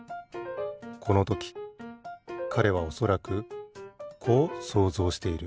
このときかれはおそらくこう想像している。